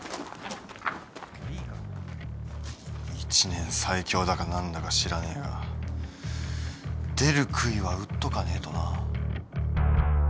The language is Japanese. １年最強だか何だか知らねえが出るくいは打っとかねえとな。